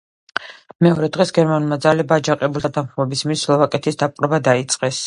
მეორე დღეს, გერმანულმა ძალებმა აჯანყებულთა დამხობის მიზნით სლოვაკეთის დაპყრობა დაიწყეს.